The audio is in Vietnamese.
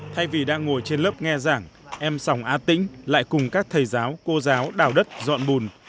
thay vì đang ngồi trên lớp nghe giảng em sòng a tĩnh lại cùng các thầy giáo cô giáo đào đất dọn bùn